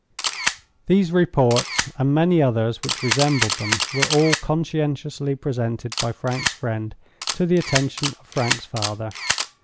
These reports, and many others which resembled them, were all conscientiously presented by Frank's friend to the attention of Frank's father.